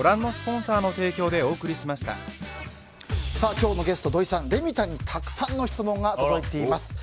今日のゲスト、土井さんレミたんにたくさんの質問が届いています。